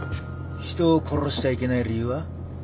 人を殺しちゃいけない理由は？